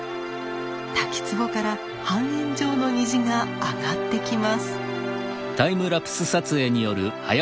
滝つぼから半円状の虹があがってきます。